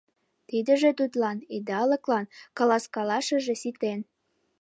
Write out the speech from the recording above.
Тидыже тудлан идалыклан каласкалашыже ситен.